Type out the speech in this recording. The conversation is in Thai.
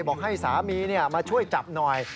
บอกให้สามีมาช่วยจับหน่อย